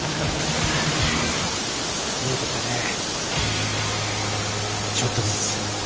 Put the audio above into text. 見えてきたねちょっとずつ。